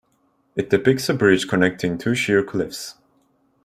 It depicts a bridge connecting two sheer cliffs.